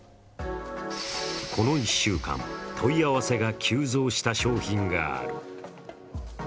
この１週間、問い合わせが急増した商品がある。